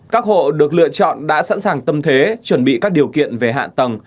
các hộ được lựa chọn đã sẵn sàng tâm thế chuẩn bị các điều kiện về hạ tầng